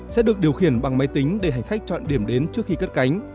sẽ được điều khiển bằng máy tính để hành khách chọn điểm đến trước khi cất cánh